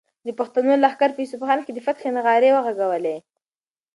د پښتنو لښکر په اصفهان کې د فتحې نغارې وغږولې.